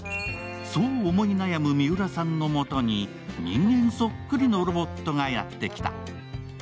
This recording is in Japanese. そう思い悩むミウラさんのもとに人間そっくりのロボットがやってきた。